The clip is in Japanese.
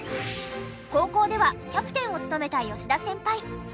高校ではキャプテンを務めた吉田先輩。